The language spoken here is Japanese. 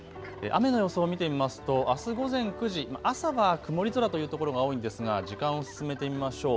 雨の予想を見てみますとあす午前９時、朝は曇り空というところが多いんですが時間を進めてみましょう。